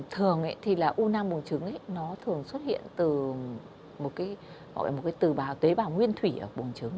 thường thì là u nang bùng trứng nó thường xuất hiện từ một cái tế bào nguyên thủy ở bùng trứng